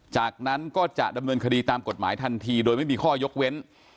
จากนั้นก็จะดำเนินคดีตามกฎหมายทันทีโดยไม่มีข้อยกเว้น